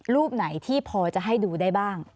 รูปไหนที่พอจะให้ดูได้บ้าง